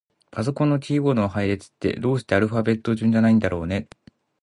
パソコンのキーボードの配列って、どうしてアルファベット順じゃないんだろうね。